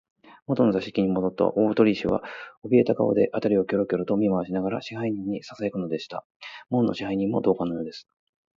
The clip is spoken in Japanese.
もとの座敷にもどった大鳥氏は、おびえた顔で、あたりをキョロキョロと見まわしながら、支配人にささやくのでした。門野支配人も同感のようです。